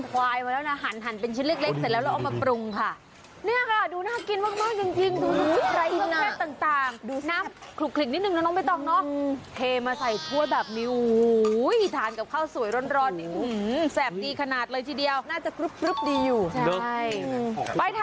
ด้านหลังโรงพยาบาลพุทธชินราชอำเภอเมืองจังหวัดพิษนุโล